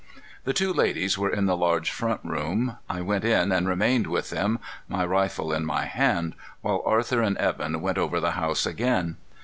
The two ladies were in the large front room. I went in and remained with them, my rifle in my hand, while Arthur and Evan went over the house again.